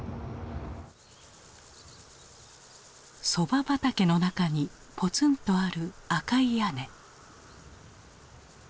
そば畑の中にポツンとある赤い屋根。